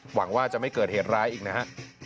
หวังว่าจะไม่เกิดเหตุร้ายอีกนะฮะ